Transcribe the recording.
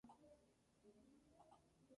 La continua actividad de Smith en St.